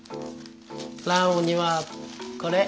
ランウにはこれ。